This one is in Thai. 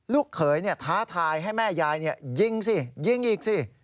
ลูกเขยท้าทายให้แม่ยายยิงสิยิงอีกสิ